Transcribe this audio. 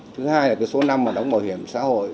thứ hai là cái số năm mà đóng bảo hiểm xã hội